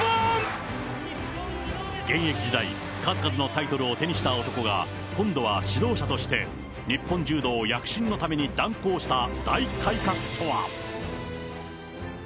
現役時代、数々のタイトルを手にした男が、今度は指導者として、日本柔道躍進のために断行した大改革とは？